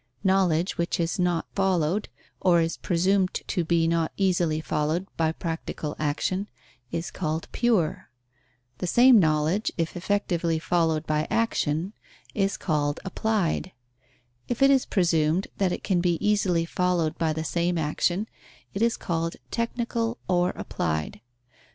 Knowledge which is not followed, or is presumed to be not easily followed by practical action, is called pure: the same knowledge, if effectively followed by action, is called applied; if it is presumed that it can be easily followed by the same action, it is called technical or applied.